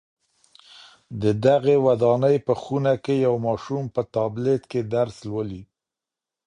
د دغي ودانۍ په خونه کي یو ماشوم په ټابلېټ کي درس لولي.